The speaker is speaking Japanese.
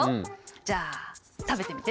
じゃあ食べてみて。